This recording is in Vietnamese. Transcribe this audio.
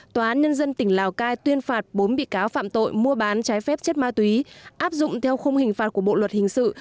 tòa án nhân dân tỉnh lào cai tuyên phạt bốn bị cáo phạm tội mua bán trái phép chất ma túy áp dụng theo khung hình phạt của bộ luật hình sự